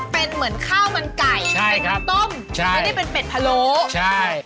เป็นเหมือนข้าวมันไก่เป็นต้มไม่ได้เป็นเป็ดผลโลพ่อใช่ครับ